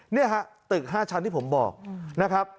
เนี่ยฮะตึก๕ชั้นที่ผมบอกนะครับ